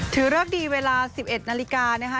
ถือเลิกดีเวลา๑๑นาฬิกา